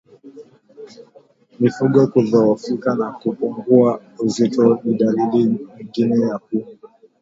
Mifugo kudhoofika na kupungua uzito ni dalili nyingine ya pumu